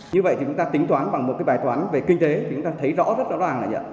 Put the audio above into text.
như vậy thì chúng ta tính toán bằng một cái bài toán về kinh tế thì chúng ta thấy rõ rất rõ ràng là nhận